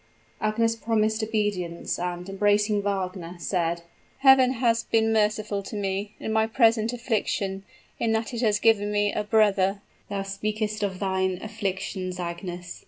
Agnes promised obedience, and, embracing Wagner, said, "Heaven has been merciful to me, in my present affliction, in that it has given me a brother!" "Thou speakest of thine afflictions, Agnes!"